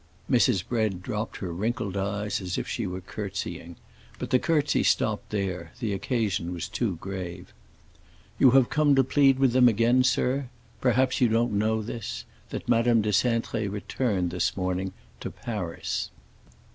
Mrs. Bread dropped her wrinkled eyelids as if she were curtseying; but the curtsey stopped there; the occasion was too grave. "You have come to plead with them again, sir? Perhaps you don't know this—that Madame de Cintré returned this morning to Paris."